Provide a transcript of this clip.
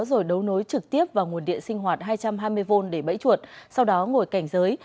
rồi đấu nối trực tiếp vào nguồn điện sinh hoạt hai trăm hai mươi v để bẫy chuột sau đó ngồi cảnh giới